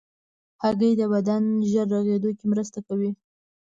هګۍ د بدن ژر رغېدو کې مرسته کوي.